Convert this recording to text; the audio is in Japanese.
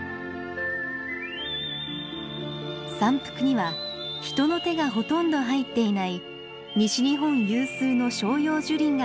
山腹には人の手がほとんど入っていない西日本有数の照葉樹林が広がっています。